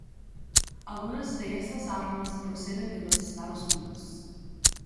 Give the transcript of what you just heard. Algunas de esas armas proceden de los Estados Unidos.